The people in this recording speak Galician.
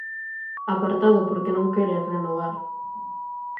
Apartado porque non quere renovar.